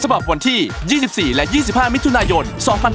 ฉบับวันที่๒๔และ๒๕มิถุนายน๒๕๖๒